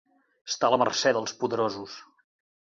Estar a la mercè dels poderosos.